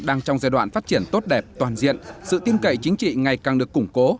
đang trong giai đoạn phát triển tốt đẹp toàn diện sự tiêm cậy chính trị ngày càng được củng cố